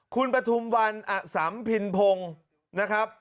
คุณพัฒนวรรณสำพินพงศ์นะครับ